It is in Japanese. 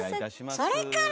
それから！